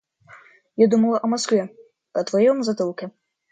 Я думала о Москве, о твоем затылке.